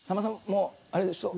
もうあれでしょ？